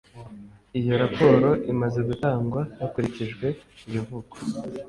Iyo raporo imaze gutangwa hakurikijwe ibivugwa